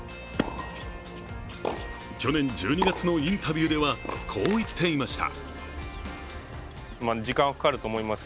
去年、１２月のインタビューではこう言っていました。